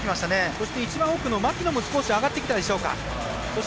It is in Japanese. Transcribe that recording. そして、一番奥、牧野も少し上がってきたでしょうか。